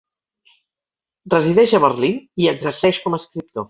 Resideix a Berlín i exerceix com a escriptor.